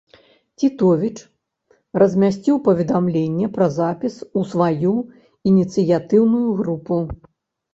Цітовіч размясціў паведамленне пра запіс у сваю ініцыятыўную групу.